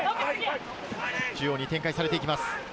中央に展開されていきます。